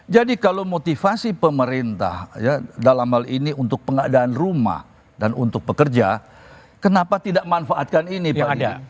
jadi kalau motivasi pemerintah dalam hal ini untuk pengadaan rumah dan untuk pekerja kenapa tidak manfaatkan ini pak didik